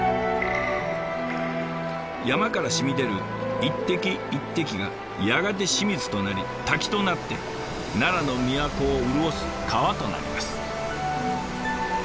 山からしみ出る一滴一滴がやがて清水となり滝となって奈良の都を潤す川となります。